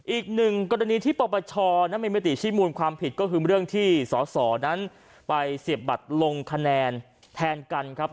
อีกหนึ่งกรณีที่ปปชนั้นมีมติชี้มูลความผิดก็คือเรื่องที่สสนั้นไปเสียบบัตรลงคะแนนแทนกันครับ